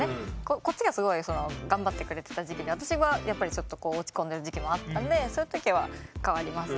こっちがすごい頑張ってくれてた時期で私はやっぱりちょっとこう落ち込んでる時期もあったんでそういう時は変わりますし。